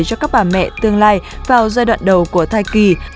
cho các bà mẹ tương lai vào giai đoạn đầu của thai kỳ